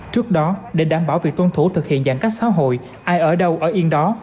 trước đó để đảm bảo việc tuân thủ thực hiện giãn cách xã hội ai ở đâu ở yên đó